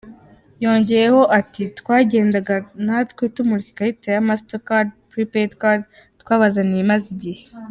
Yongeyeho ati "Twagendaga natwe tumurika ikarita ya "Mastercard Prepaid Card" twabazaniye, imaze igihe.